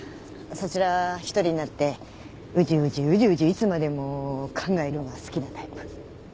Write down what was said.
そちら一人になってうじうじうじうじいつまでも考えるのが好きなタイプ？